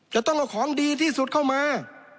จะต้องเอาของดีที่สุดเข้ามา